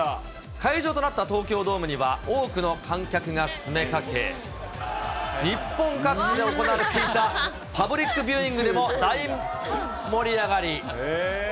会場となった東京ドームには、多くの観客が詰めかけ、日本各地で行われていたパブリックビューイングでも大盛り上がり。